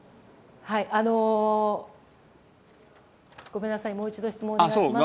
ごめんなさい、もう一度質問をお願いします。